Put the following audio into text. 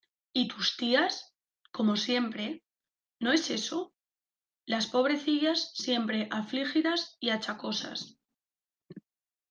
¿Y tus tías? como siempre ¿No es eso? las pobrecillas siempre afligidas y achacosas.